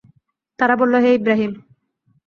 তারা বলল, হে ইবরাহীম!